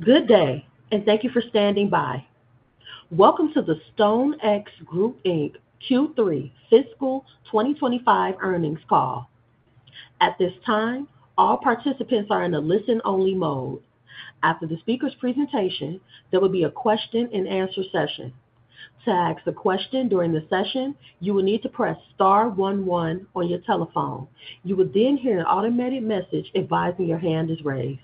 Good day, and thank you for standing by. Welcome to the StoneX Group Inc. Q3 Fiscal 2025 Earnings Call. At this time, all participants are in a listen-only mode. After the speaker's presentation, there will be a question-and-answer session. To ask a question during the session, you will need to press star one one on your telephone. You will then hear an automated message advising your hand is raised.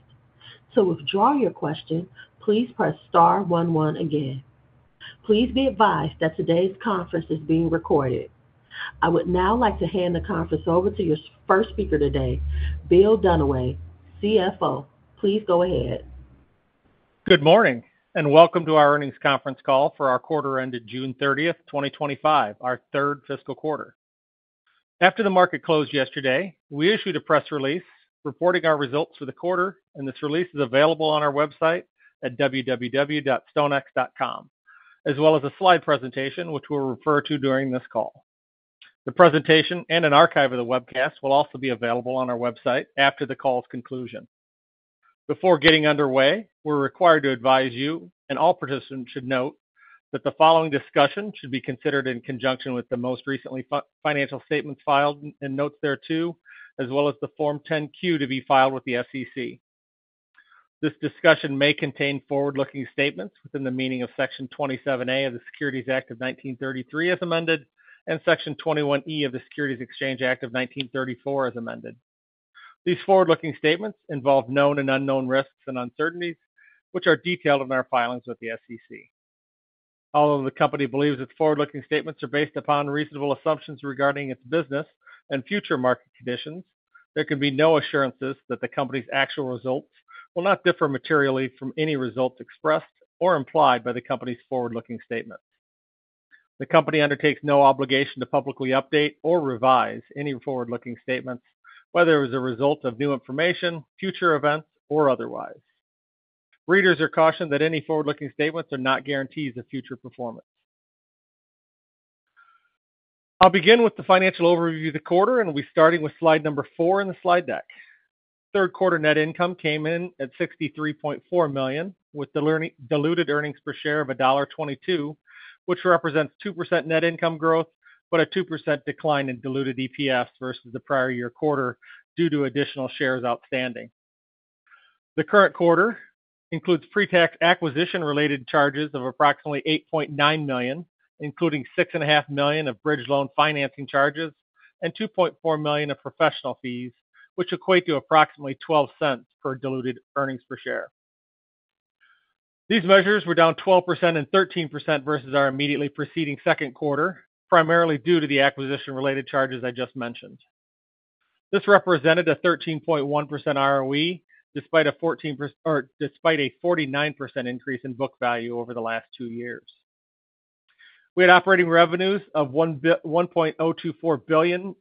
To withdraw your question, please press star one one again. Please be advised that today's conference is being recorded. I would now like to hand the conference over to your first speaker today, Bill Dunaway, CFO. Please go ahead. Good morning and welcome to our Earnings Conference Call for our quarter ended June 30th, 2025, our third fiscal quarter. After the market closed yesterday, we issued a press release reporting our results for the quarter, and this release is available on our website at www.stonex.com, as well as a slide presentation which we'll refer to during this call. The presentation and an archive of the webcast will also be available on our website after the call's conclusion. Before getting underway, we're required to advise you, and all participants should note, that the following discussion should be considered in conjunction with the most recent financial statements filed and notes thereto, as well as the Form 10-Q to be filed with the SEC. This discussion may contain forward-looking statements within the meaning of Section 27A of the Securities Act of 1933 as amended, and Section 21E of the Securities Exchange Act of 1934 as amended. These forward-looking statements involve known and unknown risks and uncertainties, which are detailed in our filings with the SEC. Although the company believes its forward-looking statements are based upon reasonable assumptions regarding its business and future market conditions, there can be no assurances that the company's actual results will not differ materially from any results expressed or implied by the company's forward-looking statements. The company undertakes no obligation to publicly update or revise any forward-looking statements, whether it is a result of new information, future events, or otherwise. Readers are cautioned that any forward-looking statements are not guarantees of future performance. I'll begin with the financial overview of the quarter, and we'll be starting with slide number four in the slide deck. Third quarter net income came in at $63.4 million, with diluted earnings per share of $1.22, which represents 2% net income growth, but a 2% decline in diluted EPS versus the prior year quarter due to additional shares outstanding. The current quarter includes pre-tax acquisition-related charges of approximately $8.9 million, including $6.5 million of bridge loan financing charges and $2.4 million of professional fees, which equate to approximately $0.12 per diluted earnings per share. These measures were down 12% and 13% versus our immediately preceding second quarter, primarily due to the acquisition-related charges I just mentioned. This represented a 13.1% ROE despite a 49% increase in book value over the last two years. We had operating revenues of $1.024 billion,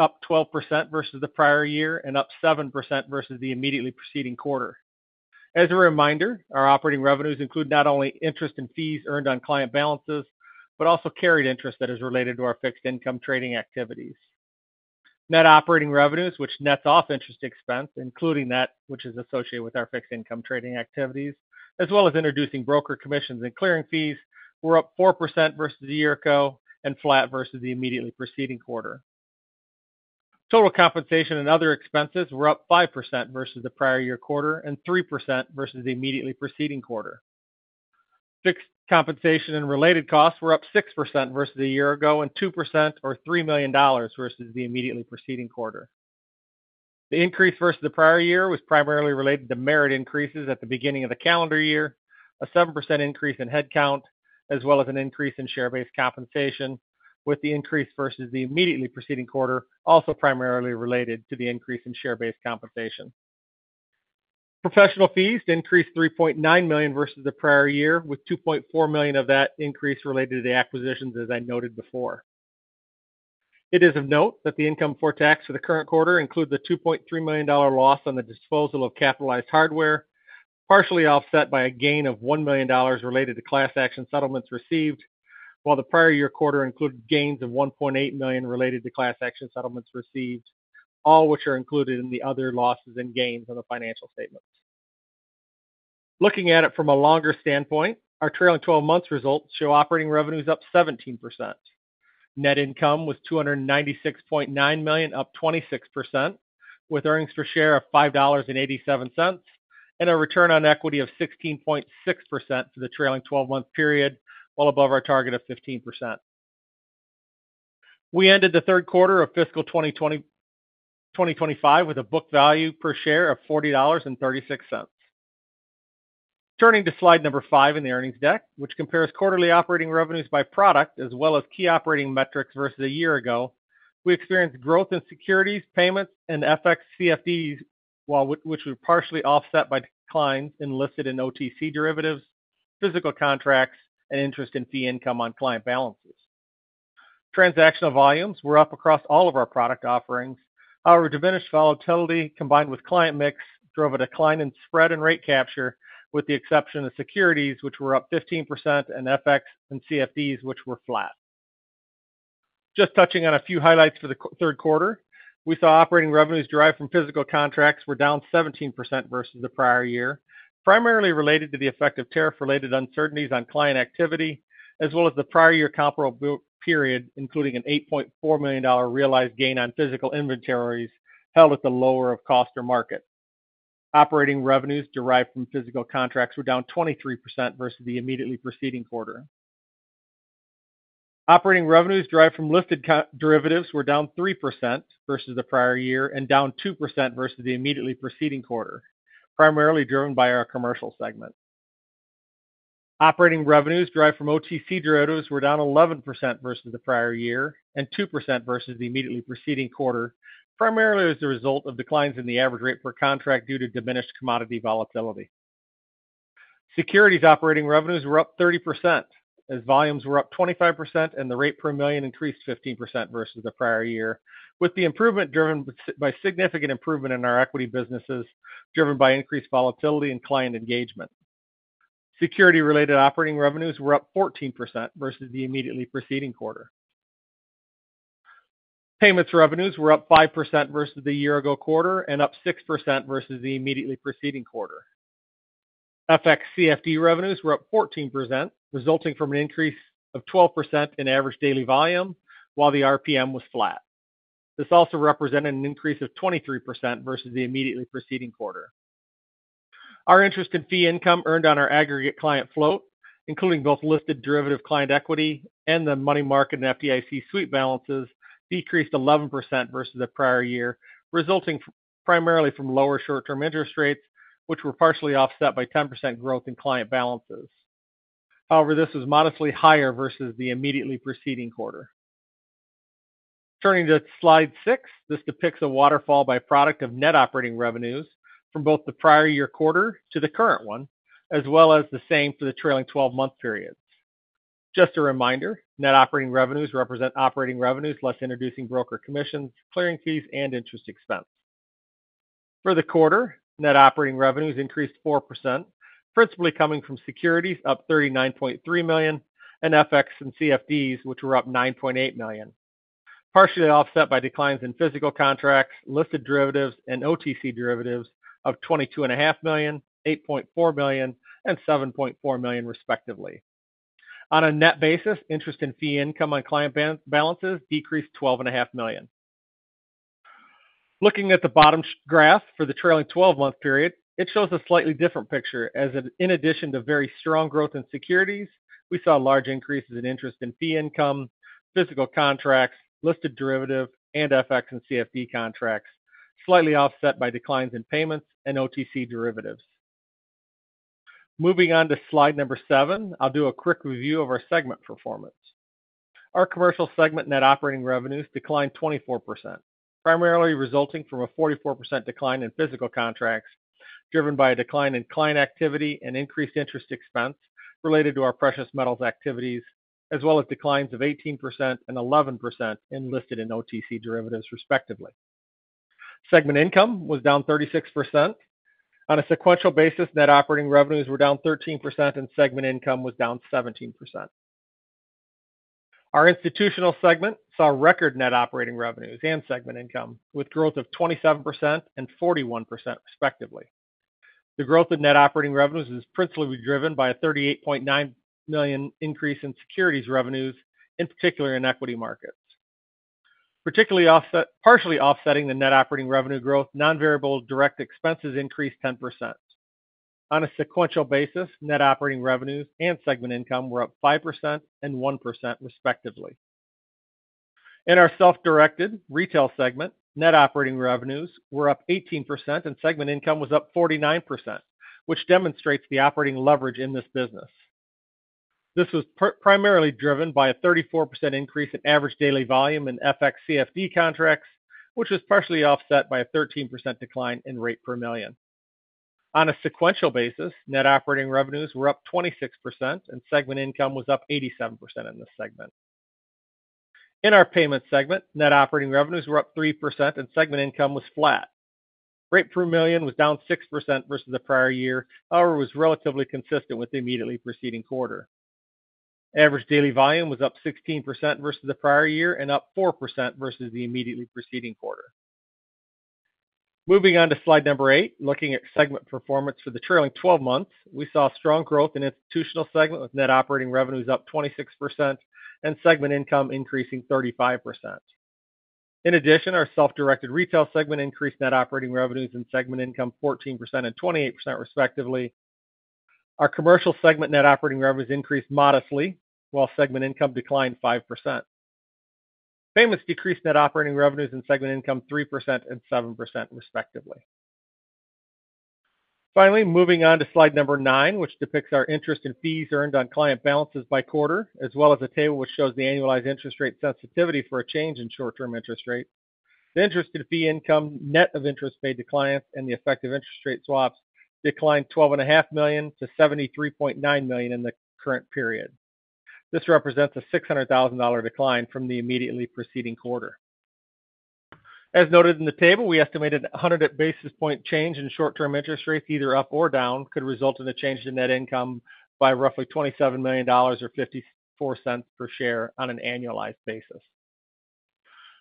up 12% versus the prior year and up 7% versus the immediately preceding quarter. As a reminder, our operating revenues include not only interest and fee income on client balances, but also carried interest that is related to our fixed income trading activities. Net operating revenues, which nets off interest expense, including that which is associated with our fixed income trading activities, as well as introducing broker commissions and clearing fees, were up 4% versus a year ago and flat versus the immediately preceding quarter. Total compensation and other expenses were up 5% versus the prior year quarter and 3% versus the immediately preceding quarter. Fixed compensation and related costs were up 6% versus a year ago and 2% or $3 million versus the immediately preceding quarter. The increase versus the prior year was primarily related to merit increases at the beginning of the calendar year, a 7% increase in headcount, as well as an increase in share-based compensation, with the increase versus the immediately preceding quarter also primarily related to the increase in share-based compensation. Professional fees increased $3.9 million versus the prior year, with $2.4 million of that increase related to the acquisitions, as I noted before. It is of note that the income for taxes for the current quarter include the $2.3 million loss on the disposal of capitalized hardware, partially offset by a gain of $1 million related to class action settlements received, while the prior year quarter included gains of $1.8 million related to class action settlements received, all of which are included in the other losses and gains on the financial statements. Looking at it from a longer standpoint, our trailing 12 months results show operating revenues up 17%, net income with $296.9 million up 26%, with earnings per share of $5.87, and a return on equity of 16.6% for the trailing 12-month period, well above our target of 15%. We ended the third quarter of fiscal 2025 with a book value per share of $40.36. Turning to slide number five in the earnings deck, which compares quarterly operating revenues by product as well as key operating metrics versus a year ago, we experienced growth in securities, payments, and FX/CFD, which were partially offset by declines in listed and OTC derivatives, physical contracts, and interest and fee income on client balances. Transactional volumes were up across all of our product offerings. However, diminished volatility combined with client mix drove a decline in spread and rate capture, with the exception of securities, which were up 15%, and FX/CFD, which were flat. Just touching on a few highlights for the third quarter, we saw operating revenues derived from physical contracts were down 17% versus the prior year, primarily related to the effect of tariff-related uncertainties on client activity, as well as the prior year comparable period, including an $8.4 million realized gain on physical inventories held at the lower of cost or market. Operating revenues derived from physical contracts were down 23% versus the immediately preceding quarter. Operating revenues derived from listed derivatives were down 3% versus the prior year and down 2% versus the immediately preceding quarter, primarily driven by our commercial segment. Operating revenues derived from OTC derivatives were down 11% versus the prior year and 2% versus the immediately preceding quarter, primarily as a result of declines in the average rate per contract due to diminished commodity volatility. Securities operating revenues were up 30%, as volumes were up 25%, and the rate per million increased 15% versus the prior year, with the improvement driven by significant improvement in our equity businesses driven by increased volatility and client engagement. Security-related operating revenues were up 14% versus the immediately preceding quarter. Payments revenues were up 5% versus the year-ago quarter and up 6% versus the immediately preceding quarter. FX/CFD revenues were up 14%, resulting from an increase of 12% in average daily volume, while the RPM was flat. This also represented an increase of 23% versus the immediately preceding quarter. Our interest and fee income earned on our aggregate client float, including both listed derivative client equity and the money market and FDIC suite balances, decreased 11% versus the prior year, resulting primarily from lower short-term interest rates, which were partially offset by 10% growth in client balances. However, this was modestly higher versus the immediately preceding quarter. Turning to slide six, this depicts a waterfall by product of net operating revenues from both the prior year quarter to the current one, as well as the same for the trailing 12-month period. Just a reminder, net operating revenues represent operating revenues less introducing broker commissions, clearing fees, and interest expense. For the quarter, net operating revenues increased 4%, principally coming from securities, up $39.3 million, and FX/CFD, which were up $9.8 million, partially offset by declines in physical contracts, listed derivatives, and OTC derivatives of $22.5 million, $8.4 million, and $7.4 million, respectively. On a net basis, interest and fee income on client balances decreased $12.5 million. Looking at the bottom graph for the trailing 12-month period, it shows a slightly different picture, as in addition to very strong growth in securities, we saw large increases in interest and fee income on client balances, physical contracts, listed derivatives, and FX/CFD contracts, slightly offset by declines in payments and OTC derivatives. Moving on to slide number seven, I'll do a quick review of our segment performance. Our commercial segment net operating revenues declined 24%, primarily resulting from a 44% decline in physical contracts, driven by a decline in client activity and increased interest expense related to our precious metals activities, as well as declines of 18% and 11% in listed and OTC derivatives, respectively. Segment income was down 36%. On a sequential basis, net operating revenues were down 13% and segment income was down 17%. Our institutional segment saw record net operating revenues and segment income, with growth of 27% and 41%, respectively. The growth in net operating revenues is principally driven by a $38.9 million increase in securities revenues, in particular in equity markets, partially offsetting the net operating revenue growth. Non-variable direct expenses increased 10%. On a sequential basis, net operating revenues and segment income were up 5% and 1%, respectively. In our self-directed retail segment, net operating revenues were up 18% and segment income was up 49%, which demonstrates the operating leverage in this business. This was primarily driven by a 34% increase in average daily volume in FX/CFD contracts, which was partially offset by a 13% decline in rate per million. On a sequential basis, net operating revenues were up 26% and segment income was up 87% in this segment. In our payments segment, net operating revenues were up 3% and segment income was flat. Rate per million was down 6% versus the prior year, however, it was relatively consistent with the immediately preceding quarter. Average daily volume was up 16% versus the prior year and up 4% versus the immediately preceding quarter. Moving on to slide number eight, looking at segment performance for the trailing 12 months, we saw strong growth in the institutional segment with net operating revenues up 26% and segment income increasing 35%. In addition, our self-directed retail segment increased net operating revenues and segment income 14% and 28%, respectively. Our commercial segment net operating revenues increased modestly, while segment income declined 5%. Payments decreased net operating revenues and segment income 3% and 7%, respectively. Finally, moving on to slide number nine, which depicts our interest and fee income on client balances by quarter, as well as a table which shows the annualized interest rate sensitivity for a change in short-term interest rate. The interest and fee income, net of interest paid to clients, and the effective interest rate swaps declined $12.5 million to $73.9 million in the current period. This represents a $600,000 decline from the immediately preceding quarter. As noted in the table, we estimated a 100 basis point change in short-term interest rates, either up or down, could result in a change in net income by roughly $27 million or $0.54 per share on an annualized basis.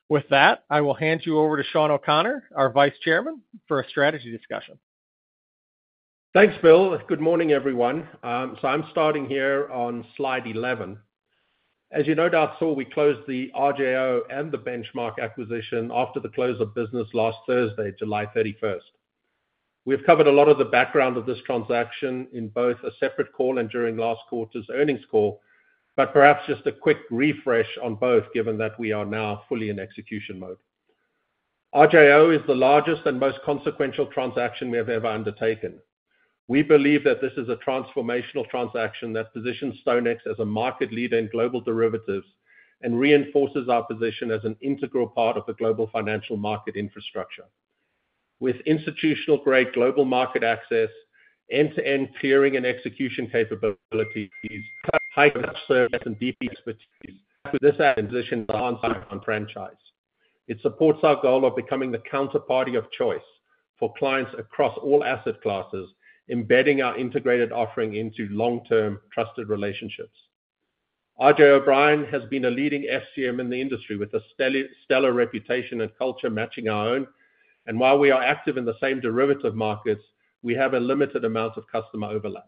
With that, I will hand you over to Sean O'Connor, our Vice Chairman, for a strategy discussion. Thanks, Bill. Good morning, everyone. I'm starting here on slide 11. As you no doubt saw, we closed the RJO and the Benchmark acquisition after the close of business last Thursday, July 31st. We've covered a lot of the background of this transaction in both a separate call and during last quarter's earnings call, but perhaps just a quick refresh on both, given that we are now fully in execution mode. RJO is the largest and most consequential transaction we have ever undertaken. We believe that this is a transformational transaction that positions StoneX as a market leader in global derivatives and reinforces our position as an integral part of the global financial market infrastructure. With institutional-grade global market access, end-to-end clearing and execution capabilities, cut-price service, and deep expertise, with this transition, the entire franchise supports our goal of becoming the counterparty of choice for clients across all asset classes, embedding our integrated offering into long-term trusted relationships. R.J. O'Brien has been a leading FCM in the industry with a stellar reputation and culture matching our own, and while we are active in the same derivative markets, we have unlimited amounts of customer overlap.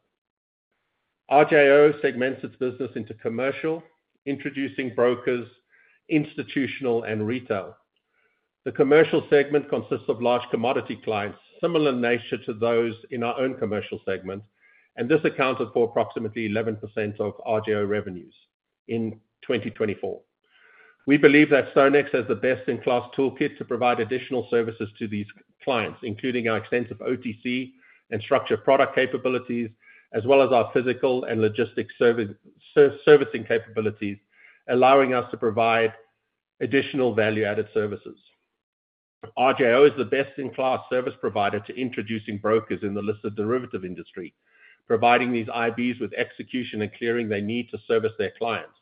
RJO segments its business into commercial, introducing brokers, institutional, and retail. The commercial segment consists of large commodity clients, similar in nature to those in our own commercial segment, and this accounted for approximately 11% of RJO revenues in 2024. We believe that StoneX has the best-in-class toolkit to provide additional services to these clients, including our extensive OTC and structured product capabilities, as well as our physical and logistics servicing capabilities, allowing us to provide additional value-added services. RJO is the best-in-class service provider to introducing brokers in the listed derivative industry, providing these IBs with execution and clearing they need to service their clients.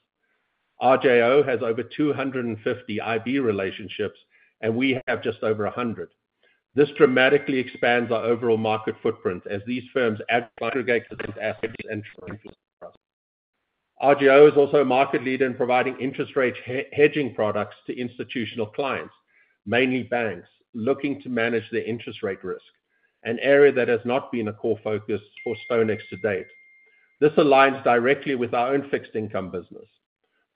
RJO has over 250 IB relationships, and we have just over 100. This dramatically expands our overall market footprint as these firms aggregate their assets. RJO is also a market leader in providing interest rate hedging products to institutional clients, mainly banks, looking to manage their interest rate risk, an area that has not been a core focus for StoneX to date. This aligns directly with our own fixed-income business.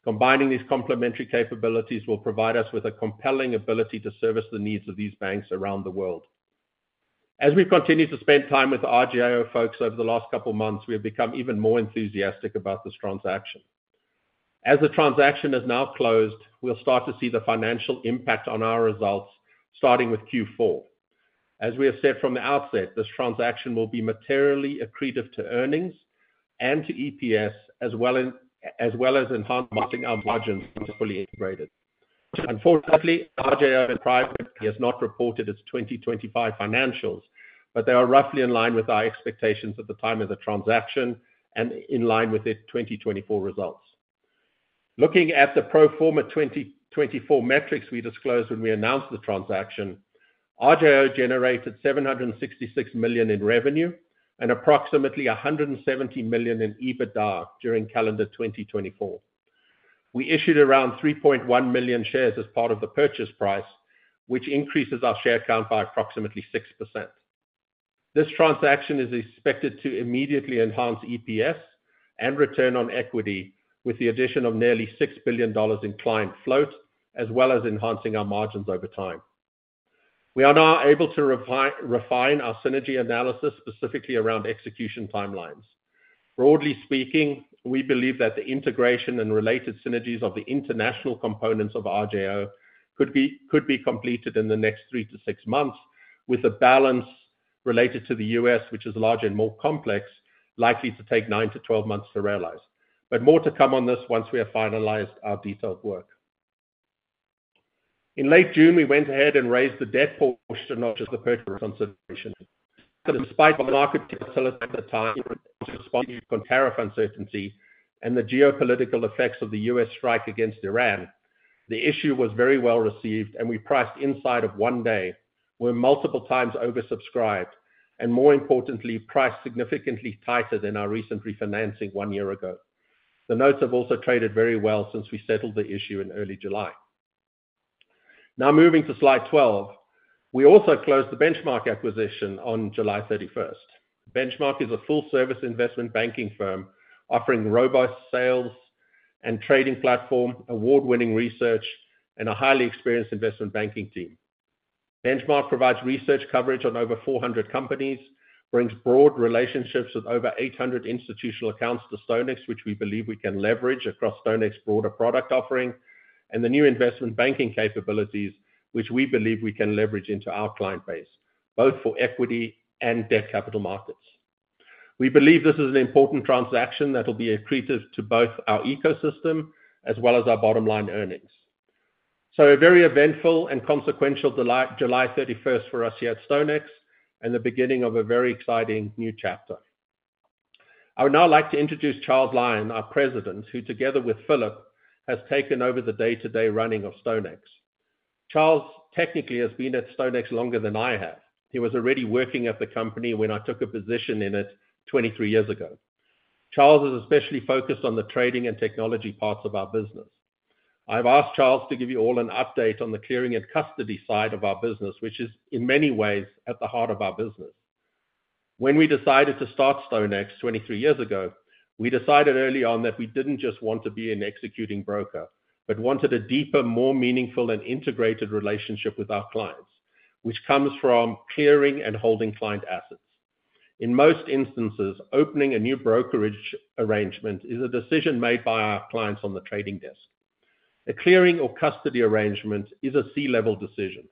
Combining these complementary capabilities will provide us with a compelling ability to service the needs of these banks around the world. As we've continued to spend time with RJO folks over the last couple of months, we have become even more enthusiastic about this transaction. As the transaction is now closed, we'll start to see the financial impact on our results, starting with Q4. As we have said from the outset, this transaction will be materially accretive to earnings and to EPS, as well as enhancing our margins to fully integrate it. Unfortunately, RJO has not reported its 2025 financials, but they are roughly in line with our expectations at the time of the transaction and in line with its 2024 results. Looking at the pro forma 2024 metrics we disclosed when we announced the transaction, RJO generated $766 million in revenue and approximately $170 million in EBITDA during calendar 2024. We issued around 3.1 million shares as part of the purchase price, which increases our share count by approximately 6%. This transaction is expected to immediately enhance EPS and return on equity with the addition of nearly $6 billion in client float, as well as enhancing our margins over time. We are now able to refine our synergy analysis specifically around execution timelines. Broadly speaking, we believe that the integration and related synergies of the international components of RJO could be completed in the next three to six months, with the balance related to the U.S., which is larger and more complex, likely to take nine to 12 months to realize. More to come on this once we have finalized our detailed work. In late June, we went ahead and raised the debt portion of the purchase consideration. Despite the market facilitating the time to respond to tariff uncertainty and the geopolitical effects of the U.S. strike against Iran, the issue was very well received, and we priced inside of one day. We were multiple times oversubscribed, and more importantly, priced significantly tighter than our recent refinancing one year ago. The notes have also traded very well since we settled the issue in early July. Now moving to slide 12, we also closed the Benchmark acquisition on July 31. Benchmark is a full-service investment banking firm offering a robust sales and trading platform, award-winning research, and a highly experienced investment banking team. Benchmark provides research coverage on over 400 companies, brings broad relationships with over 800 institutional accounts to StoneX, which we believe we can leverage across StoneX's broader product offering, and the new investment banking capabilities, which we believe we can leverage into our client base, both for equity and debt capital markets. We believe this is an important transaction that will be accretive to both our ecosystem as well as our bottom-line earnings. A very eventful and consequential July 31st for us here at StoneX and the beginning of a very exciting new chapter. I would now like to introduce Charles Lyon, our President, who together with Philip has taken over the day-to-day running of StoneX. Charles technically has been at StoneX longer than I have. He was already working at the company when I took a position in it 23 years ago. Charles is especially focused on the trading and technology parts of our business. I've asked Charles to give you all an update on the clearing and custody side of our business, which is in many ways at the heart of our business. When we decided to start StoneX 23 years ago, we decided early on that we didn't just want to be an executing broker, but wanted a deeper, more meaningful and integrated relationship with our clients, which comes from clearing and holding client assets. In most instances, opening a new brokerage arrangement is a decision made by our clients on the trading desk. A clearing or custody arrangement is a C-level decision.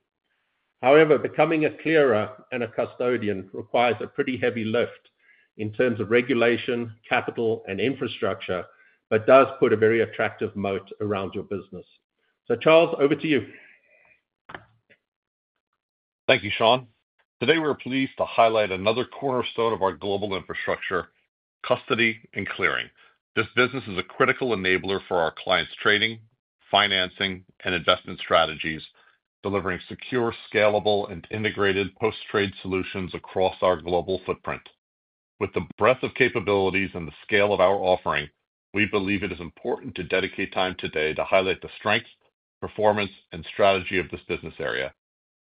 However, becoming a clearer and a custodian requires a pretty heavy lift in terms of regulation, capital, and infrastructure, but does put a very attractive moat around your business. Charles, over to you. Thank you, Sean. Today we're pleased to highlight another cornerstone of our global infrastructure, custody and clearing. This business is a critical enabler for our clients' trading, financing, and investment strategies, delivering secure, scalable, and integrated post-trade solutions across our global footprint. With the breadth of capabilities and the scale of our offering, we believe it is important to dedicate time today to highlight the strengths, performance, and strategy of this business area.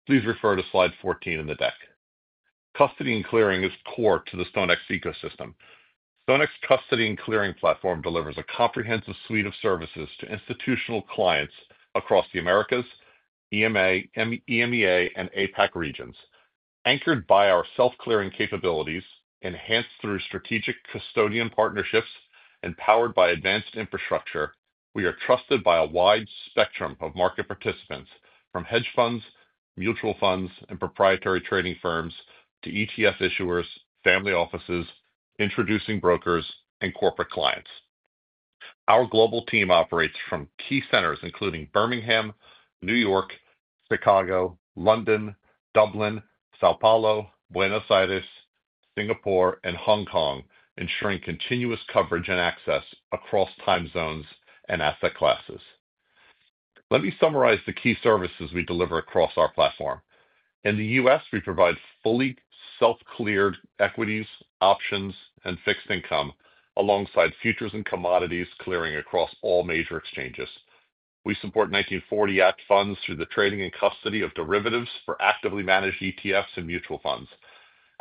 Please refer to slide 14 in the deck. Custody and clearing is core to the StoneX ecosystem. StoneX's custody and clearing platform delivers a comprehensive suite of services to institutional clients across the Americas, EMEA, and APAC regions. Anchored by our self-clearing capabilities, enhanced through strategic custodian partnerships, and powered by advanced infrastructure, we are trusted by a wide spectrum of market participants, from hedge funds, mutual funds, and proprietary trading firms to ETF issuers, family offices, introducing brokers, and corporate clients. Our global team operates from key centers including Birmingham, New York, Chicago, London, Dublin, São Paulo, Buenos Aires, Singapore, and Hong Kong, ensuring continuous coverage and access across time zones and asset classes. Let me summarize the key services we deliver across our platform. In the U.S., we provide fully self-cleared equities, options, and fixed income, alongside futures and commodities clearing across all major exchanges. We support 1940 Act funds through the trading and custody of derivatives for actively managed ETFs and mutual funds.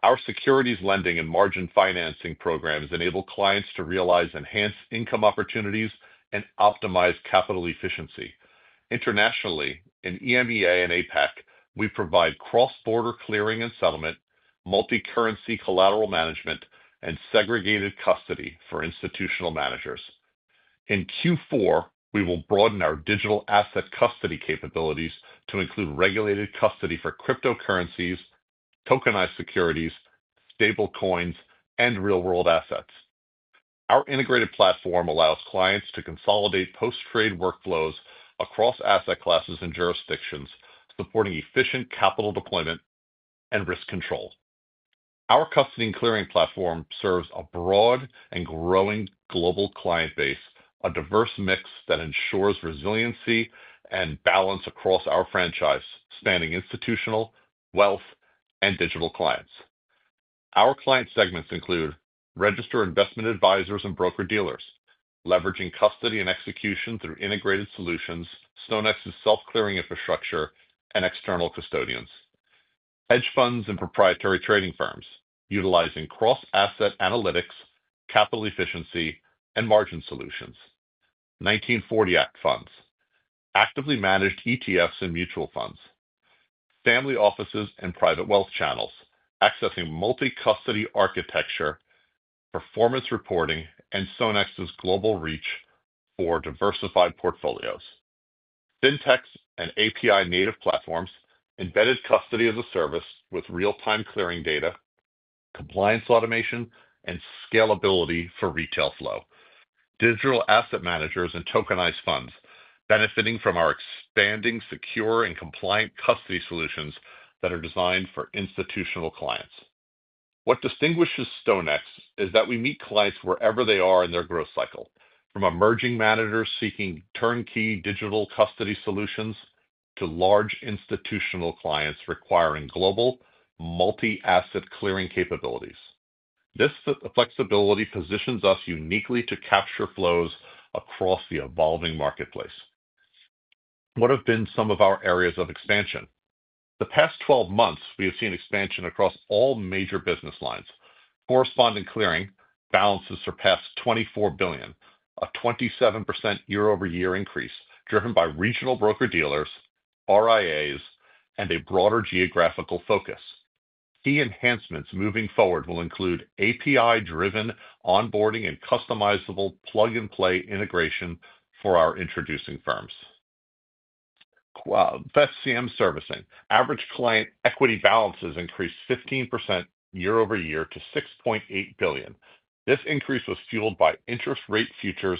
Our securities lending and margin financing programs enable clients to realize enhanced income opportunities and optimize capital efficiency. Internationally, in EMEA and APAC, we provide cross-border clearing and settlement, multi-currency collateral management, and segregated custody for institutional managers. In Q4, we will broaden our digital asset custody capabilities to include regulated custody for cryptocurrencies, tokenized securities, stable coins, and real-world assets. Our integrated platform allows clients to consolidate post-trade workflows across asset classes and jurisdictions, supporting efficient capital deployment and risk control. Our custody and clearing platform serves a broad and growing global client base, a diverse mix that ensures resiliency and balance across our franchise, spanning institutional, wealth, and digital clients. Our client segments include registered investment advisors and broker dealers, leveraging custody and execution through integrated solutions, StoneX's self-clearing infrastructure, and external custodians, hedge funds and proprietary trading firms, utilizing cross-asset analytics, capital efficiency, and margin solutions, 1940 Act funds, actively managed ETFs and mutual funds, family offices, and private wealth channels, accessing multi-custody architecture, performance reporting, and StoneX's global reach for diversified portfolios, fintechs and API-native platforms, embedded custody of the service with real-time clearing data, compliance automation, and scalability for retail flow, digital asset managers, and tokenized funds, benefiting from our expanding, secure, and compliant custody solutions that are designed for institutional clients. What distinguishes StoneX is that we meet clients wherever they are in their growth cycle, from emerging managers seeking turnkey digital custody solutions to large institutional clients requiring global, multi-asset clearing capabilities. This flexibility positions us uniquely to capture flows across the evolving marketplace. What have been some of our areas of expansion? The past 12 months, we have seen expansion across all major business lines. Corresponding clearing balances surpass $24 billion, a 27% year-over-year increase driven by regional broker dealers, RIAs, and a broader geographical focus. Key enhancements moving forward will include API-driven onboarding and customizable plug-and-play integration for our introducing firms. FCM servicing. Average client equity balances increased 15% year-over-year to $6.8 billion. This increase was fueled by interest rate futures,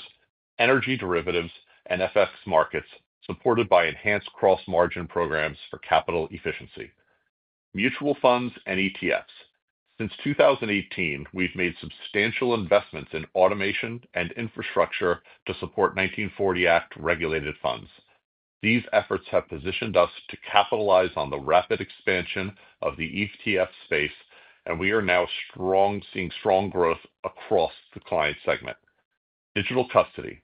energy derivatives, and FX markets, supported by enhanced cross-margin programs for capital efficiency. Mutual funds and ETFs. Since 2018, we've made substantial investments in automation and infrastructure to support 1940 Act regulated funds. These efforts have positioned us to capitalize on the rapid expansion of the ETF space, and we are now seeing strong growth across the client segment. Digital custody.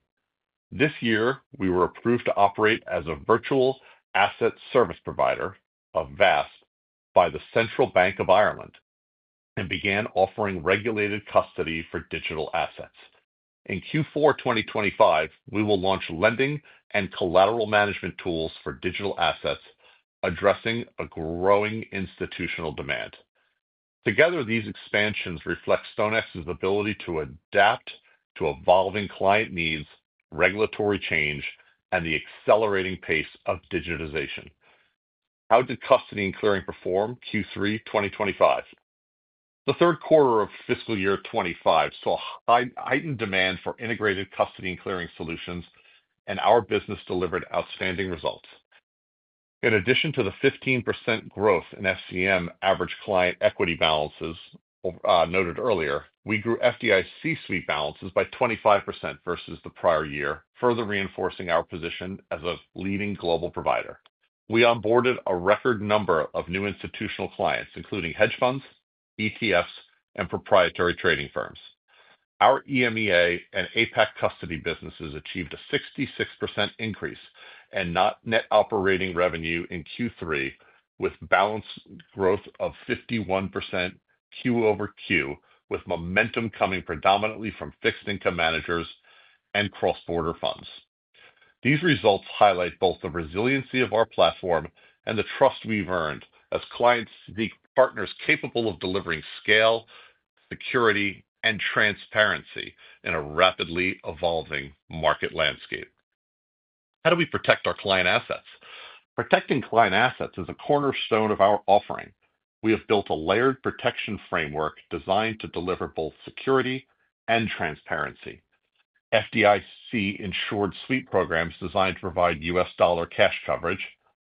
This year, we were approved to operate as a Virtual Asset Service Provider, a VASP, by the Central Bank of Ireland and began offering regulated custody for digital assets. In Q4 2025, we will launch lending and collateral management tools for digital assets, addressing a growing institutional demand. Together, these expansions reflect StoneX's ability to adapt to evolving client needs, regulatory change, and the accelerating pace of digitization. How did custody and clearing perform Q3 2025? The third quarter of fiscal year 2025 saw a heightened demand for integrated custody and clearing solutions, and our business delivered outstanding results. In addition to the 15% growth in FCM average client equity balances noted earlier, we grew FDIC suite balances by 25% versus the prior year, further reinforcing our position as a leading global provider. We onboarded a record number of new institutional clients, including hedge funds, ETFs, and proprietary trading firms. Our EMEA and APAC custody businesses achieved a 66% increase in net operating revenue in Q3, with balance growth of 51% quarter-over-quarter, with momentum coming predominantly from fixed income managers and cross-border funds. These results highlight both the resiliency of our platform and the trust we've earned as clients seek partners capable of delivering scale, security, and transparency in a rapidly evolving market landscape. How do we protect our client assets? Protecting client assets is a cornerstone of our offering. We have built a layered protection framework designed to deliver both security and transparency. FDIC-insured suite programs designed to provide U.S. dollar cash coverage,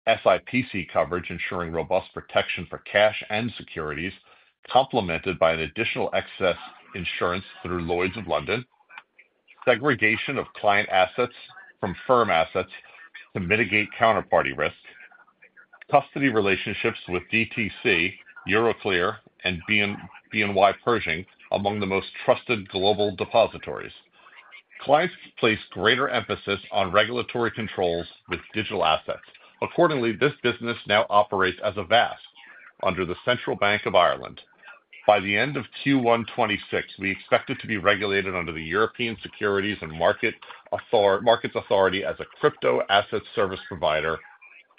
SIPC coverage ensuring robust protection for cash and securities, complemented by an additional excess insurance through Lloyd's of London, segregation of client assets from firm assets to mitigate counterparty risk, custody relationships with DTC, Euroclear, and BNY Pershing, among the most trusted global depositories. Clients place greater emphasis on regulatory controls with digital assets. Accordingly, this business now operates as a VASP under the Central Bank of Ireland. By the end of Q1 2026, we expect it to be regulated under the European Securities and Markets Authority as a crypto asset service provider,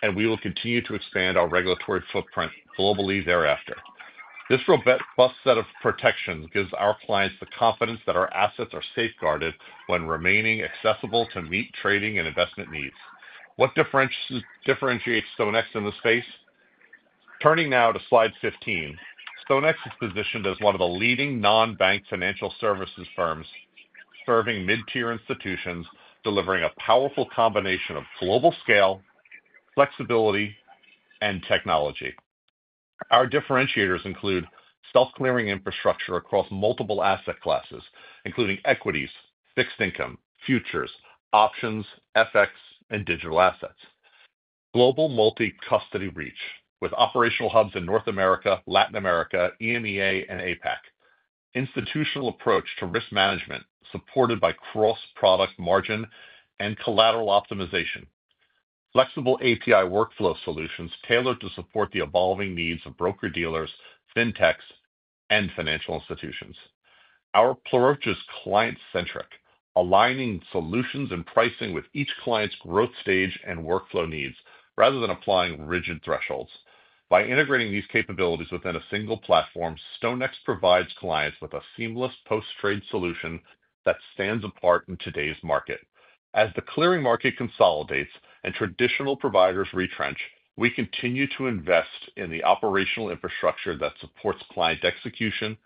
and we will continue to expand our regulatory footprint globally thereafter. This robust set of protections gives our clients the confidence that our assets are safeguarded while remaining accessible to meet trading and investment needs. What differentiates StoneX in this space? Turning now to slide 15, StoneX is positioned as one of the leading non-bank financial services firms, serving mid-tier institutions, delivering a powerful combination of global scale, flexibility, and technology. Our differentiators include self-clearing infrastructure across multiple asset classes, including equities, fixed income, futures, options, FX, and digital assets, global multi-custody reach with operational hubs in North America, Latin America, EMEA, and APAC, an institutional approach to risk management supported by cross-product margin and collateral optimization, flexible API workflow solutions tailored to support the evolving needs of broker dealers, fintechs, and financial institutions. Our approach is client-centric, aligning solutions and pricing with each client's growth stage and workflow needs rather than applying rigid thresholds. By integrating these capabilities within a single platform, StoneX provides clients with a seamless post-trade solution that stands apart in today's market. As the clearing market consolidates and traditional providers retrench, we continue to invest in the operational infrastructure that supports client execution,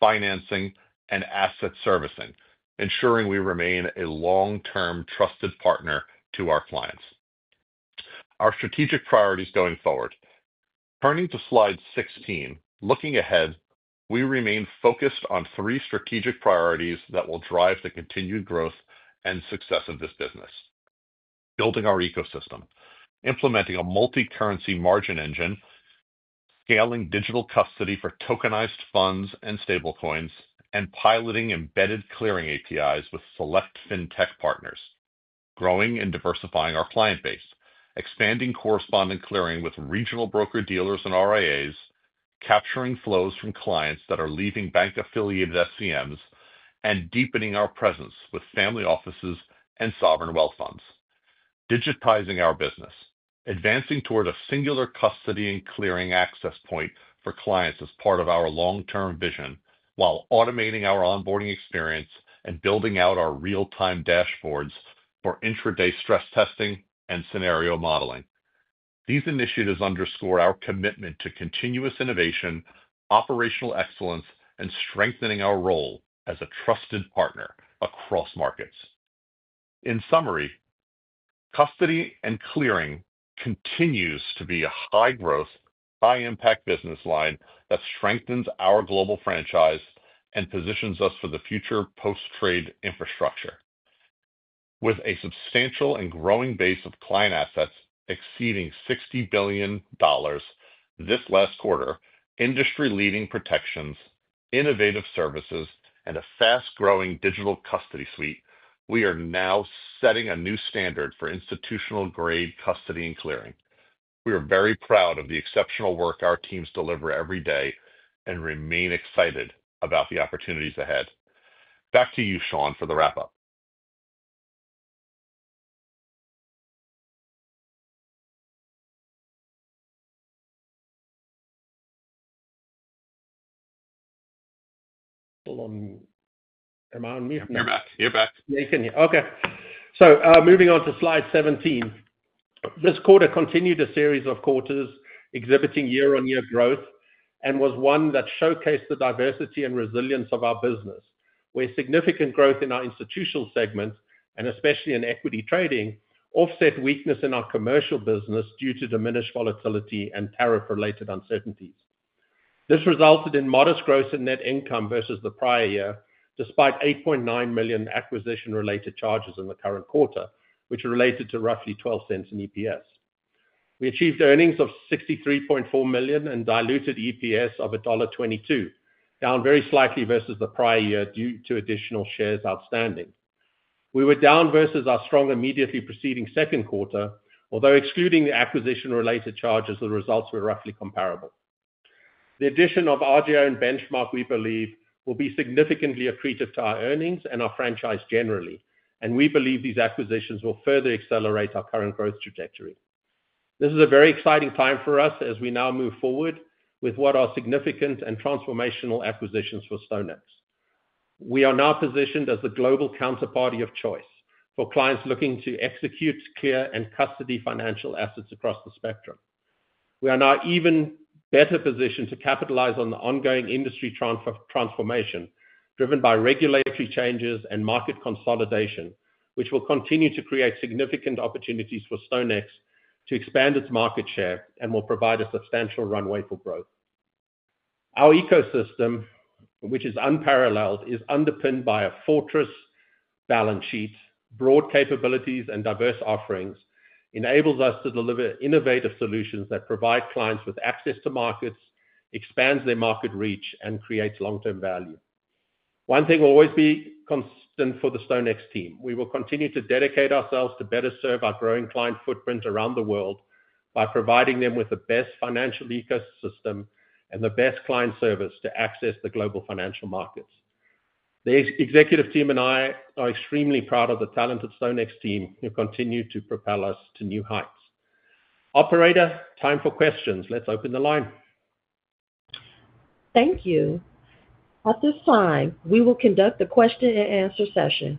financing, and asset servicing, ensuring we remain a long-term trusted partner to our clients. Our strategic priorities going forward. Turning to slide 16, looking ahead, we remain focused on three strategic priorities that will drive the continued growth and success of this business: building our ecosystem, implementing a multi-currency margin engine, scaling digital custody for tokenized funds and stable coins, and piloting embedded clearing APIs with select fintech partners, growing and diversifying our client base, expanding correspondent clearing with regional broker dealers and RIAs, capturing flows from clients that are leaving bank-affiliated FCMs, and deepening our presence with family offices and sovereign wealth funds. Digitizing our business, advancing toward a singular custody and clearing access point for clients as part of our long-term vision, while automating our onboarding experience and building out our real-time dashboards for intraday stress testing and scenario modeling. These initiatives underscore our commitment to continuous innovation, operational excellence, and strengthening our role as a trusted partner across markets. In summary, custody and clearing continues to be a high-growth, high-impact business line that strengthens our global franchise and positions us for the future post-trade infrastructure. With a substantial and growing base of client assets exceeding $60 billion this last quarter, industry-leading protections, innovative services, and a fast-growing digital asset custody suite, we are now setting a new standard for institutional-grade custody and clearing. We are very proud of the exceptional work our teams deliver every day and remain excited about the opportunities ahead. Back to you, Sean, for the wrap-up. You're back. You can hear. Okay. Moving on to slide 17. This quarter continued a series of quarters exhibiting year-on-year growth and was one that showcased the diversity and resilience of our business, where significant growth in our institutional segments, and especially in equity trading, offset weakness in our commercial business due to diminished volatility and tariff-related uncertainties. This resulted in modest growth in net income versus the prior year, despite $8.9 million acquisition-related charges in the current quarter, which are related to roughly $0.12 in EPS. We achieved earnings of $63.4 million and diluted EPS of $1.22, down very slightly versus the prior year due to additional shares outstanding. We were down versus our strong immediately preceding second quarter, although excluding the acquisition-related charges, the results were roughly comparable. The addition of RJO and Benchmark, we believe, will be significantly accretive to our earnings and our franchise generally, and we believe these acquisitions will further accelerate our current growth trajectory. This is a very exciting time for us as we now move forward with what are significant and transformational acquisitions for StoneX. We are now positioned as the global counterparty of choice for clients looking to execute, clear, and custody financial assets across the spectrum. We are now even better positioned to capitalize on the ongoing industry transformation driven by regulatory changes and market consolidation, which will continue to create significant opportunities for StoneX to expand its market share and will provide a substantial runway for growth. Our ecosystem, which is unparalleled, is underpinned by a fortress balance sheet. Broad capabilities and diverse offerings enable us to deliver innovative solutions that provide clients with access to markets, expand their market reach, and create long-term value. One thing will always be constant for the StoneX team. We will continue to dedicate ourselves to better serve our growing client footprint around the world by providing them with the best financial ecosystem and the best client service to access the global financial markets. The executive team and I are extremely proud of the talented StoneX team who continue to propel us to new heights. Operator, time for questions. Let's open the line. Thank you. At this time, we will conduct the question-and-answer session.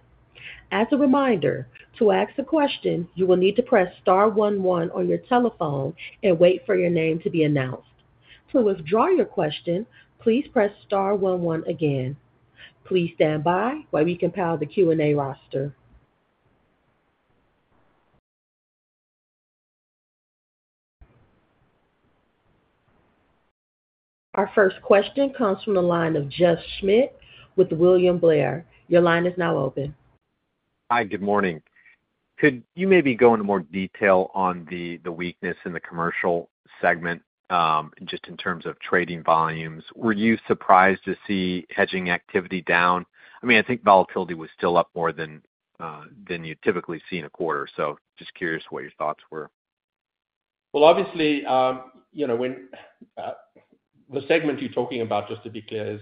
As a reminder, to ask a question, you will need to press star one one on your telephone and wait for your name to be announced. To withdraw your question, please press star one one again. Please stand by while we compile the Q&A roster. Our first question comes from the line of Jeff Schmitt with William Blair. Your line is now open. Hi, good morning. Could you maybe go into more detail on the weakness in the commercial segment, just in terms of trading volumes? Were you surprised to see hedging activity down? I think volatility was still up more than you typically see in a quarter. Just curious what your thoughts were. Obviously, you know, when the segment you're talking about, just to be clear, is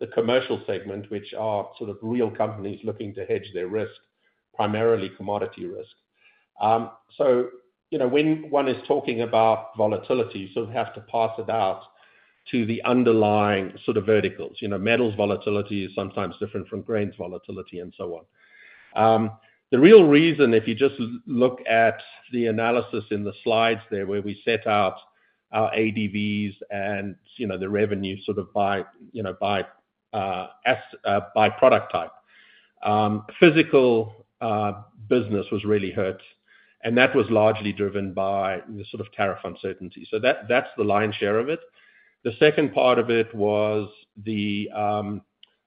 the commercial segment, which are sort of real companies looking to hedge their risk, primarily commodity risk. You know, when one is talking about volatility, you sort of have to pass it out to the underlying sort of verticals. Metals volatility is sometimes different from grains volatility and so on. The real reason, if you just look at the analysis in the slides there where we set out our ADVs and, you know, the revenue sort of by, you know, by product type. Physical business was really hurt, and that was largely driven by the sort of tariff uncertainty. That's the lion's share of it. The second part of it was the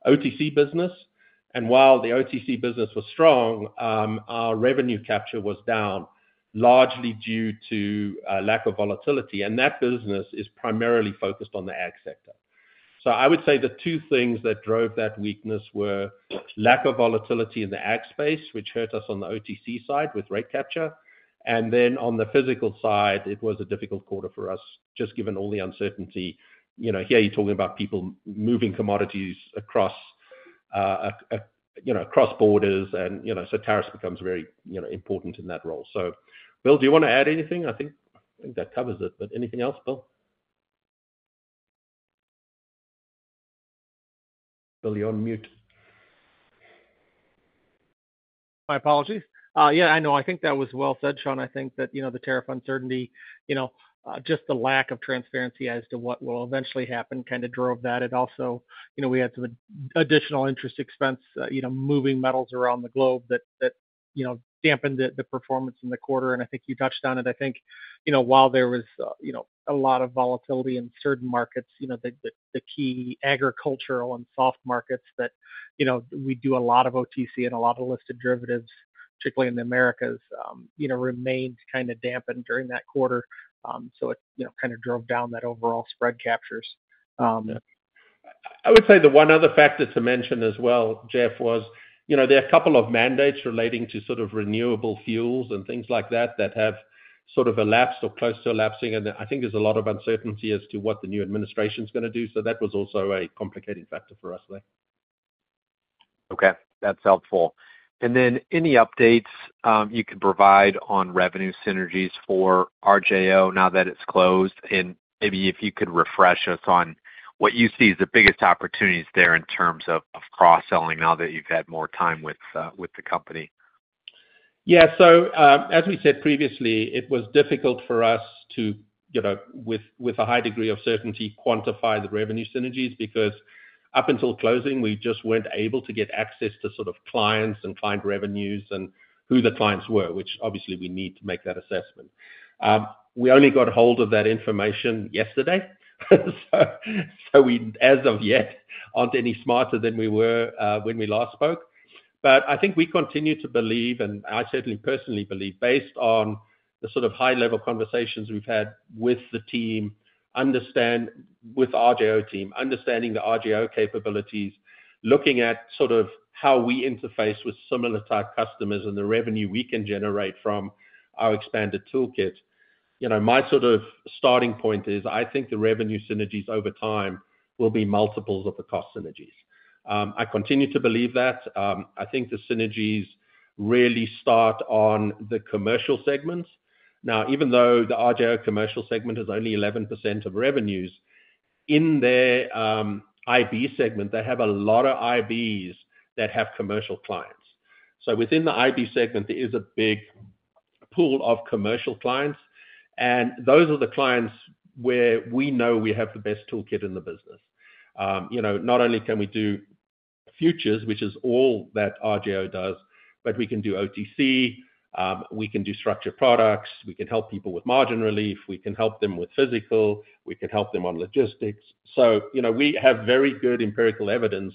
OTC business. While the OTC business was strong, our revenue capture was down largely due to a lack of volatility, and that business is primarily focused on the ag sector. I would say the two things that drove that weakness were lack of volatility in the ag space, which hurt us on the OTC side with rate capture, and then on the physical side, it was a difficult quarter for us, just given all the uncertainty. Here you're talking about people moving commodities across, you know, across borders, and, you know, tariffs become very important in that role. Bill, do you want to add anything? I think that covers it, but anything else, Bill? Bill, you're on mute. My apologies. Yeah, I know. I think that was well said, Sean. I think that the tariff uncertainty, just the lack of transparency as to what will eventually happen, kind of drove that. It also, we had some additional interest expense, moving metals around the globe that dampened the performance in the quarter, and I think you touched on it. I think, while there was a lot of volatility in certain markets, the key agricultural and soft markets that we do a lot of OTC derivatives and a lot of listed derivatives, particularly in the Americas, remained kind of dampened during that quarter. It kind of drove down that overall spread captures. I would say the one other factor to mention as well, Jeff, was there are a couple of mandates relating to sort of renewable fuels and things like that that have sort of elapsed or are close to elapsing, and I think there's a lot of uncertainty as to what the new administration is going to do. That was also a complicated factor for us there. Okay, that's helpful. Are there any updates you could provide on revenue synergies for RJO now that it's closed? Maybe if you could refresh us on what you see as the biggest opportunities there in terms of cross-selling now that you've had more time with the company. As we said previously, it was difficult for us to, you know, with a high degree of certainty, quantify the revenue synergies because up until closing, we just weren't able to get access to sort of clients and find revenues and who the clients were, which obviously we need to make that assessment. We only got a hold of that information yesterday. We, as of yet, aren't any smarter than we were when we last spoke. I think we continue to believe, and I certainly personally believe, based on the sort of high-level conversations we've had with the team, understand with RJO team, understanding the RJO capabilities, looking at sort of how we interface with similar type customers and the revenue we can generate from our expanded toolkit. My sort of starting point is I think the revenue synergies over time will be multiples of the cost synergies. I continue to believe that. I think the synergies really start on the commercial segments. Even though the RJO commercial segment is only 11% of revenues, in their IB segment, they have a lot of IBs that have commercial clients. Within the IB segment, there is a big pool of commercial clients, and those are the clients where we know we have the best toolkit in the business. Not only can we do futures, which is all that RJO does, but we can do OTC, we can do structured products, we can help people with margin relief, we can help them with physical, we can help them on logistics. We have very good empirical evidence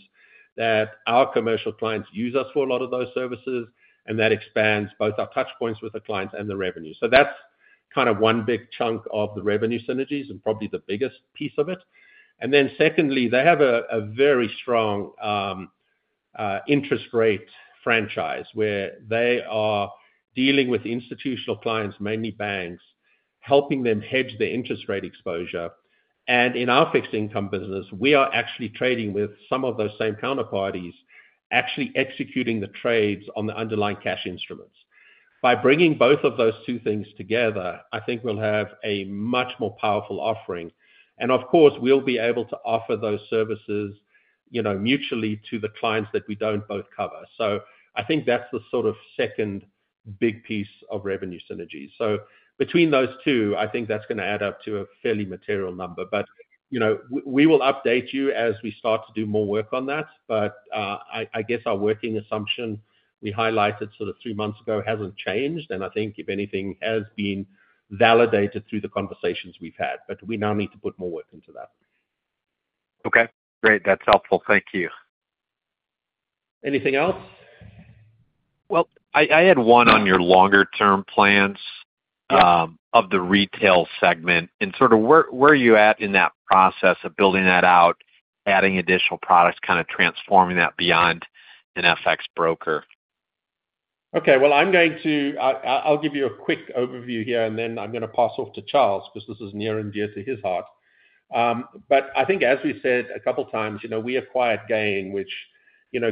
that our commercial clients use us for a lot of those services, and that expands both our touchpoints with the clients and the revenue. That's kind of one big chunk of the revenue synergies and probably the biggest piece of it. Secondly, they have a very strong interest rate franchise where they are dealing with institutional clients, mainly banks, helping them hedge their interest rate exposure. In our fixed income business, we are actually trading with some of those same counterparties, actually executing the trades on the underlying cash instruments. By bringing both of those two things together, I think we'll have a much more powerful offering. Of course, we'll be able to offer those services mutually to the clients that we don't both cover. I think that's the sort of second big piece of revenue synergies. Between those two, I think that's going to add up to a fairly material number. We will update you as we start to do more work on that. Our working assumption we highlighted sort of three months ago hasn't changed. I think if anything has been validated through the conversations we've had, but we now need to put more work into that. Okay, great. That's helpful. Thank you. Anything else? I had one on your longer-term plans of the retail segment and sort of where you're at in that process of building that out, adding additional products, kind of transforming that beyond an FX broker. Okay, I'm going to give you a quick overview here, and then I'm going to pass off to Charles because this is near and dear to his heart. I think as we said a couple of times, we acquired GAIN, which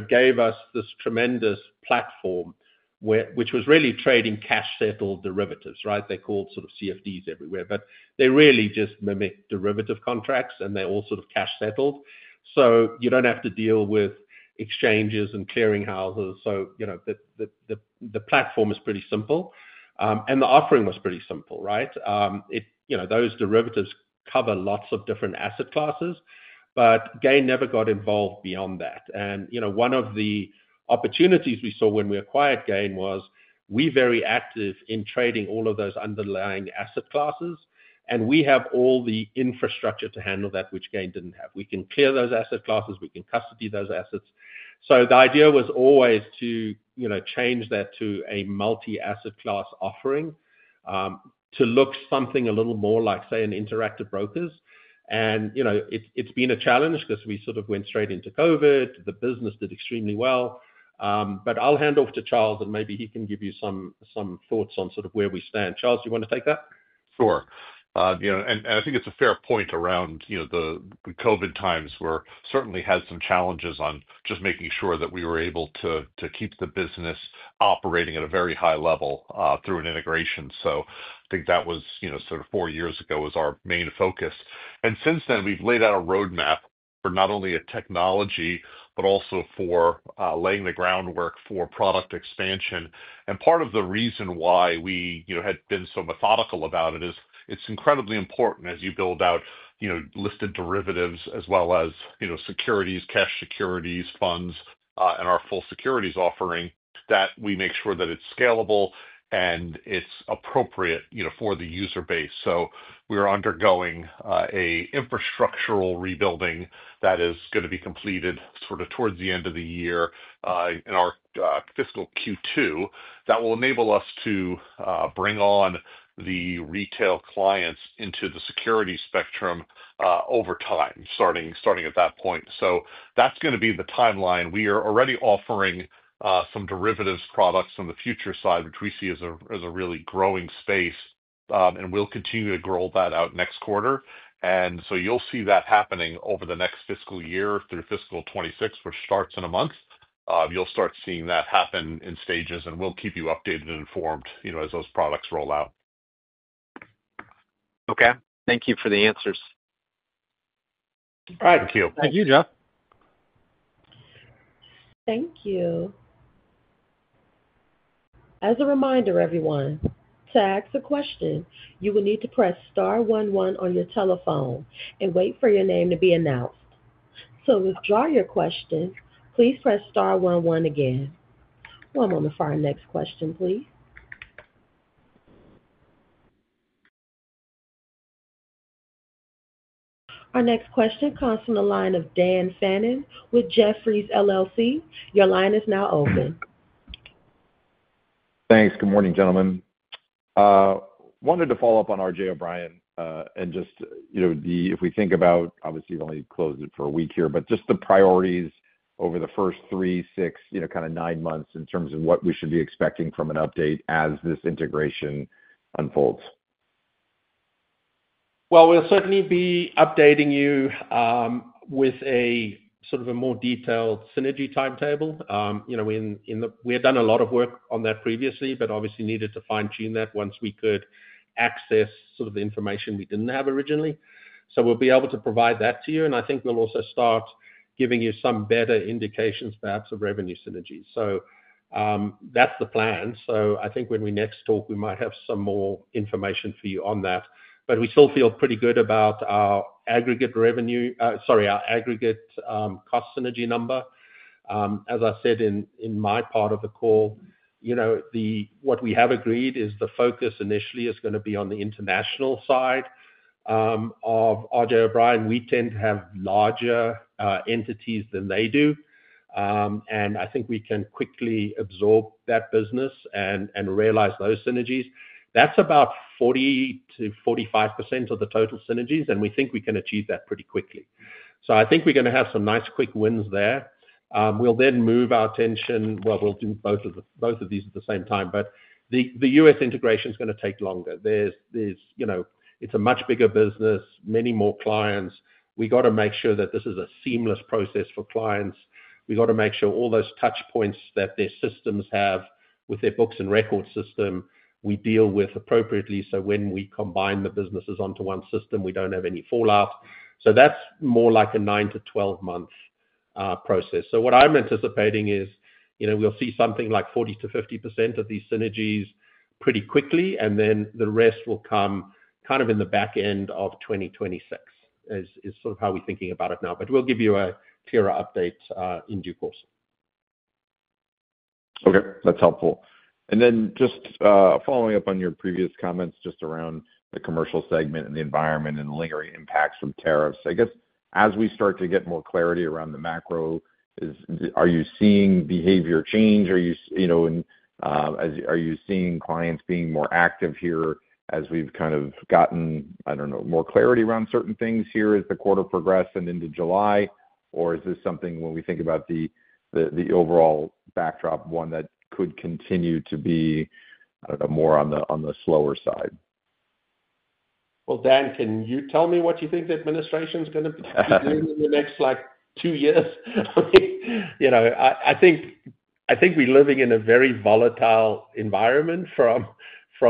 gave us this tremendous platform, which was really trading cash-settled derivatives, right? They called sort of CFDs everywhere, but they really just mimic derivative contracts, and they're all sort of cash-settled. You don't have to deal with exchanges and clearing houses. The platform is pretty simple, and the offering was pretty simple, right? Those derivatives cover lots of different asset classes, but GAIN never got involved beyond that. One of the opportunities we saw when we acquired GAIN was we're very active in trading all of those underlying asset classes, and we have all the infrastructure to handle that, which GAIN didn't have. We can clear those asset classes. We can custody those assets. The idea was always to change that to a multi-asset class offering, to look something a little more like, say, an Interactive Brokers. It's been a challenge because we sort of went straight into COVID. The business did extremely well. I'll hand off to Charles, and maybe he can give you some thoughts on where we stand. Charles, do you want to take that? Sure. I think it's a fair point around the COVID times where we certainly had some challenges on just making sure that we were able to keep the business operating at a very high level through an integration. I think that was, sort of four years ago, our main focus. Since then, we've laid out a roadmap for not only technology, but also for laying the groundwork for product expansion. Part of the reason why we had been so methodical about it is it's incredibly important as you build out listed derivatives as well as securities, cash securities, funds, and our full securities offering that we make sure that it's scalable and it's appropriate for the user base. We are undergoing an infrastructural rebuilding that is going to be completed towards the end of the year, in our fiscal Q2, that will enable us to bring on the retail clients into the security spectrum over time, starting at that point. That's going to be the timeline. We are already offering some derivatives products on the future side, which we see as a really growing space, and we'll continue to grow that out next quarter. You'll see that happening over the next fiscal year through fiscal 2026, which starts in a month. You'll start seeing that happen in stages, and we'll keep you updated and informed as those products roll out. Okay, thank you for the answers. All right, thank you. Thank you, Jeff. Thank you. As a reminder, everyone, to ask a question, you will need to press star one one on your telephone and wait for your name to be announced. To withdraw your question, please press star one one - again. One moment for our next question, please. Our next question comes from the line of Dan Fannon with Jefferies LLC. Your line is now open. Thanks. Good morning, gentlemen. I wanted to follow up on R.J. O'Brien and just, you know, if we think about, obviously, we've only closed it for a week here, but just the priorities over the first three, six, you know, kind of nine months in terms of what we should be expecting from an update as this integration unfolds. We will certainly be updating you with a more detailed synergy timetable. We had done a lot of work on that previously, but obviously needed to fine-tune that once we could access the information we didn't have originally. We will be able to provide that to you, and I think we'll also start giving you some better indications, perhaps, of revenue synergies. That's the plan. I think when we next talk, we might have some more information for you on that. We still feel pretty good about our aggregate revenue, sorry, our aggregate cost synergy number. As I said in my part of the call, what we have agreed is the focus initially is going to be on the international side of R.J. O'Brien. We tend to have larger entities than they do, and I think we can quickly absorb that business and realize those synergies. That's about 40%-45% of the total synergies, and we think we can achieve that pretty quickly. I think we're going to have some nice quick wins there. We'll then move our attention, we'll do both of these at the same time, but the U.S. integration is going to take longer. It's a much bigger business, many more clients. We got to make sure that this is a seamless process for clients. We got to make sure all those touchpoints that their systems have with their books and record system we deal with appropriately. When we combine the businesses onto one system, we don't have any fallout. That's more like a 9-12-month process. What I'm anticipating is, we'll see something like 40%-50% of these synergies pretty quickly, and then the rest will come in the back end of 2026, is how we're thinking about it now. We'll give you a clearer update in due course. Okay, that's helpful. Just following up on your previous comments around the commercial segment and the environment and lingering impacts from tariffs, as we start to get more clarity around the macro, are you seeing behavior change? Are you seeing clients being more active here as we've gotten more clarity around certain things as the quarter progressed and into July? Is this something, when we think about the overall backdrop, that could continue to be more on the slower side? Dan, can you tell me what you think the administration's going to be doing in the next like two years? I mean, I think we're living in a very volatile environment from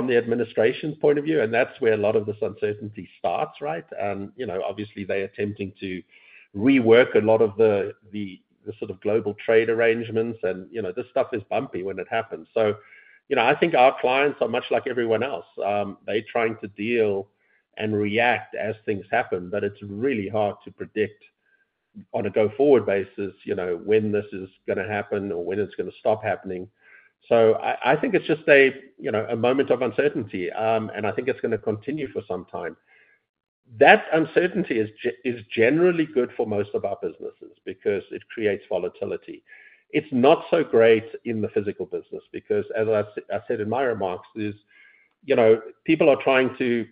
the administration's point of view, and that's where a lot of this uncertainty starts, right? Obviously they're attempting to rework a lot of the sort of global trade arrangements, and this stuff is bumpy when it happens. I think our clients are much like everyone else. They're trying to deal and react as things happen, but it's really hard to predict on a go-forward basis when this is going to happen or when it's going to stop happening. I think it's just a moment of uncertainty, and I think it's going to continue for some time. That uncertainty is generally good for most of our businesses because it creates volatility. It's not so great in the physical business because, as I said in my remarks, people are trying to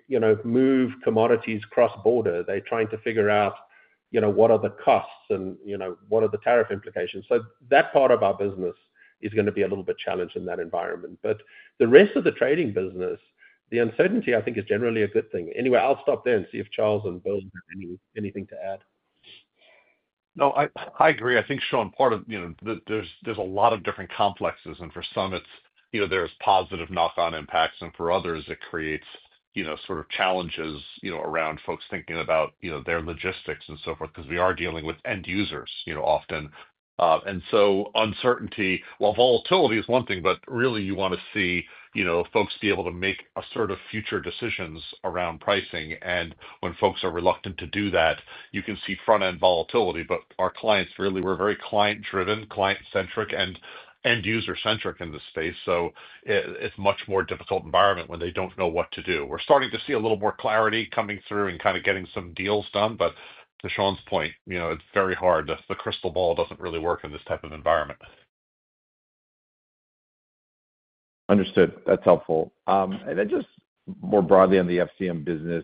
move commodities cross-border. They're trying to figure out what are the costs and what are the tariff implications. That part of our business is going to be a little bit challenged in that environment. The rest of the trading business, the uncertainty, I think, is generally a good thing. Anyway, I'll stop there and see if Charles or Bill have anything to add. No, I agree. I think, Sean, part of, you know, there's a lot of different complexes, and for some, you know, there's positive knock-on impacts, and for others, it creates, you know, sort of challenges around folks thinking about their logistics and so forth because we are dealing with end users often. Uncertainty, volatility is one thing, but really, you want to see folks be able to make assertive future decisions around pricing. When folks are reluctant to do that, you can see front-end volatility, but our clients really, we're very client-driven, client-centric, and end-user-centric in this space. It's a much more difficult environment when they don't know what to do. We're starting to see a little more clarity coming through and kind of getting some deals done, but to Sean's point, it's very hard. The crystal ball doesn't really work in this type of environment. Understood. That's helpful. Just more broadly on the FCM business,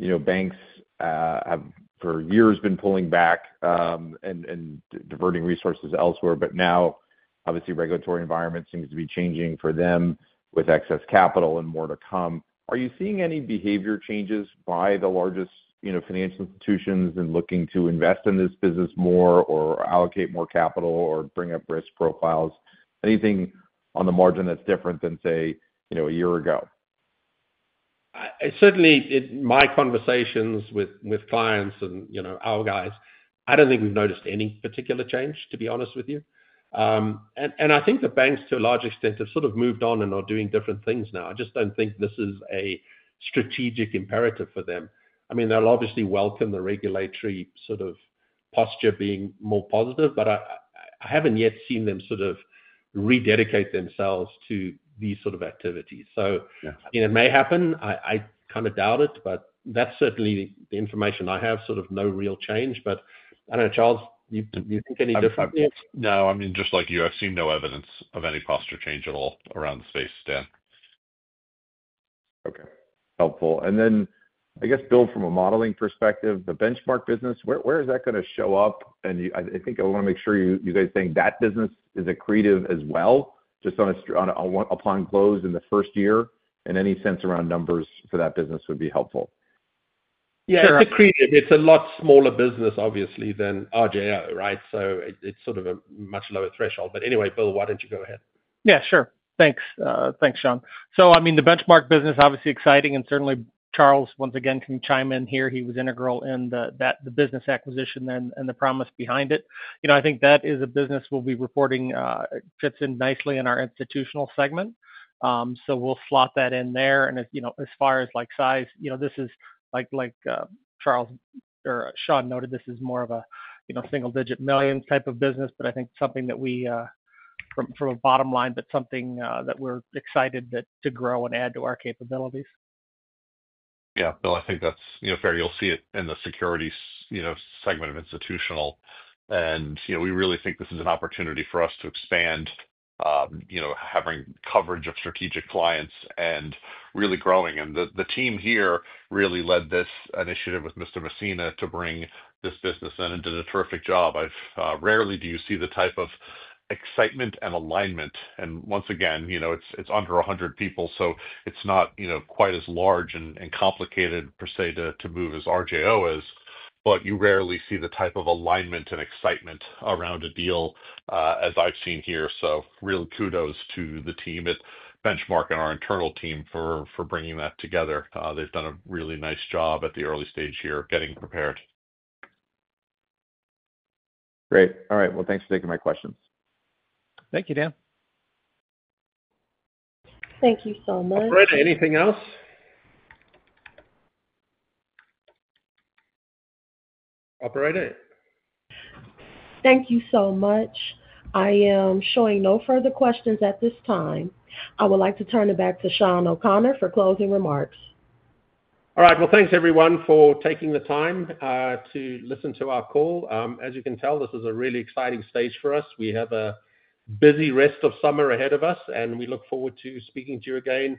you know, banks have for years been pulling back and diverting resources elsewhere. Now, obviously, the regulatory environment seems to be changing for them with excess capital and more to come. Are you seeing any behavior changes by the largest, you know, financial institutions in looking to invest in this business more or allocate more capital or bring up risk profiles? Anything on the margin that's different than, say, you know, a year ago? Certainly, in my conversations with clients and our guys, I don't think we've noticed any particular change, to be honest with you. I think the banks, to a large extent, have sort of moved on and are doing different things now. I just don't think this is a strategic imperative for them. I mean, they'll obviously welcome the regulatory sort of posture being more positive, but I haven't yet seen them sort of rededicate themselves to these sort of activities. It may happen. I kind of doubt it, but that's certainly the information I have, sort of no real change. I don't know, Charles, do you think any differently? No, I mean, just like you, I've seen no evidence of any posture change at all around the space, Dan. Okay, helpful. I guess, Bill, from a modeling perspective, the Benchmark business, where is that going to show up? I think I want to make sure you guys think that business is accretive as well, just upon close in the first year, and any sense around numbers for that business would be helpful. Yeah, it's accretive. It's a lot smaller business, obviously, than RJO, right? It's sort of a much lower threshold. Anyway, Bill, why don't you go ahead? Yeah, sure. Thanks. Thanks, Sean. The Benchmark business is obviously exciting, and certainly, Charles, once again, can chime in here. He was integral in the business acquisition and the promise behind it. I think that is a business we'll be reporting fits in nicely in our institutional segment. We'll slot that in there. As far as size, this is, like Charles or Sean noted, more of a single-digit millions type of business, but I think something that we, from a bottom line, that's something that we're excited to grow and add to our capabilities. Yeah, Bill, I think that's fair. You'll see it in the securities segment of institutional. We really think this is an opportunity for us to expand, having coverage of strategic clients and really growing. The team here really led this initiative with Mr. Messina to bring this business in and did a terrific job. I've rarely seen the type of excitement and alignment. Once again, it's under 100 people, so it's not quite as large and complicated per se to move as RJO is, but you rarely see the type of alignment and excitement around a deal as I've seen here. Kudos to the team at Benchmark and our internal team for bringing that together. They've done a really nice job at the early stage here of getting prepared. Great. All right. Thanks for taking my questions. Thank you, Dan. Thank you so much. Great. Anything else? Operator? Thank you so much. I am showing no further questions at this time. I would like to turn it back to Sean O'Connor for closing remarks. All right. Thank you, everyone, for taking the time to listen to our call. As you can tell, this is a really exciting stage for us. We have a busy rest of summer ahead of us, and we look forward to speaking to you again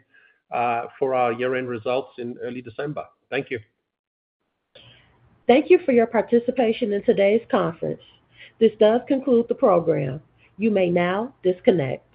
for our year-end results in early December. Thank you. Thank you for your participation in today's conference. This does conclude the program. You may now disconnect.